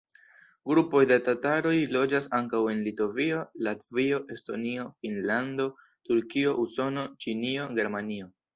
Grupoj de tataroj loĝas ankaŭ en Litovio, Latvio, Estonio, Finnlando, Turkio, Usono, Ĉinio, Germanio.